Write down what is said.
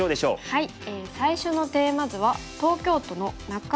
はい。